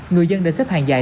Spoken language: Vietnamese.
người dân đã xếp hàng dài